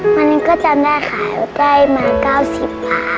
วันนั้นก็จำได้ค่ะได้มา๙๐บาท